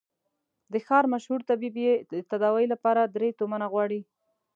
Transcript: د ښار مشهور طبيب يې د تداوي له پاره درې تومنه غواړي.